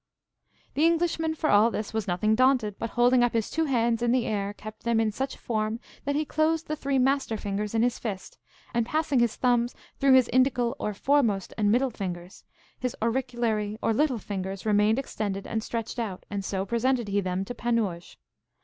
The Englishman for all this was nothing daunted, but holding up his two hands in the air, kept them in such form that he closed the three master fingers in his fist, and passing his thumbs through his indical or foremost and middle fingers, his auriculary or little fingers remained extended and stretched out, and so presented he them to Panurge.